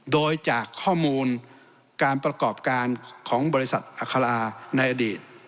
โดยจากข้อมูลการประกอบการของบริษัทอัคราในอดีต